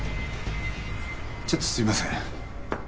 ちょっとすいません。